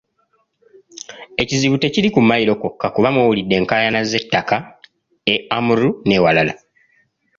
Ekizibu tekiri ku mmayiro kwokka kuba muwulidde enkaayana ze ttaka e Amuru n'ewalala.